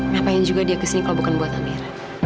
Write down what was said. ngapain juga dia kesini kalau bukan buat amira